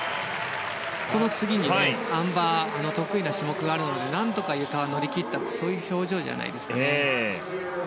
この次に、あん馬得意な種目があるので何とか、ゆかは乗り切ったという表情じゃないですかね。